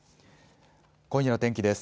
今夜の天気です。